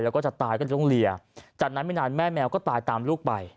แล้วก็จะตายก็จะต้องเลียจากนั้นไม่นานแม่แมวก็ตายตามลูกไป